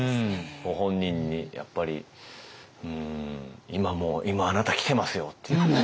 ご本人にやっぱり今もう今あなたキてますよって。